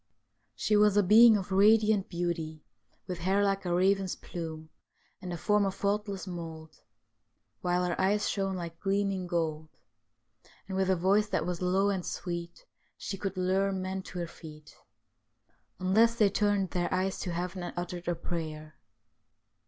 She was a being of radiant beauty ; with hair like a raven's plume, and a form of faultless mould, while her eyes shone like gleaming gold ; and with a voice that was low and sweet, she could lure men to her feet, unless they turned their eyes 16 STORIES WEIRD AND WONDERFUL to heaven and uttered a prayer.